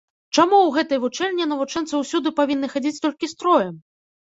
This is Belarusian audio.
Чаму ў гэтай вучэльні навучэнцы ўсюды павінны хадзіць толькі строем?